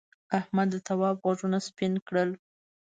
احمد د تواب غوږونه سپین کړل.